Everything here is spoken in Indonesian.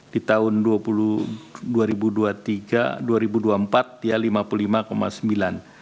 di tahun dua ribu dua puluh tiga dua ribu dua puluh empat ya lima puluh lima sembilan